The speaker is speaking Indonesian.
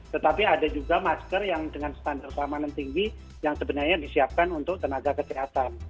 tetapi ada juga masker yang dengan standar keamanan tinggi yang sebenarnya disiapkan untuk tenaga kesehatan